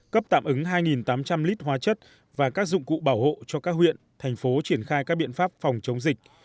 cấp tạm ứng hai tám trăm linh lít hóa chất và các dụng cụ bảo hộ cho các huyện thành phố triển khai các biện pháp phòng chống dịch